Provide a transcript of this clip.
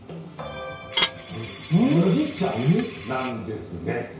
麦茶なんです。